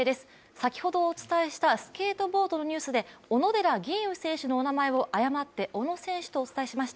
先ほどお伝えしたスケートボードのニュースで小野寺吟雲選手を誤って小野選手とお伝えしました。